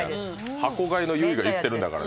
箱買いのゆいが言ってるんだからね。